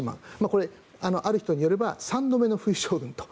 これはある人によれば３度目の冬将軍と。